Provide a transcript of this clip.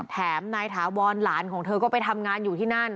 แถมนายถาวรหลานของเธอก็ไปทำงานอยู่ที่นั่น